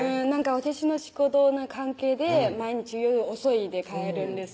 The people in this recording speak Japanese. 私の仕事の関係で毎日夜遅いで帰るんですよ